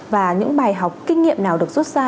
và những bài học kinh nghiệm nào được rút ra